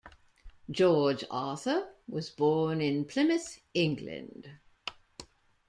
George Arthur was born in Plymouth, England.